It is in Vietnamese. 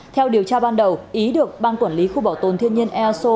theo điều tra ban đầu ý được bang quản lý khu bảo tồn thiên nhiên eso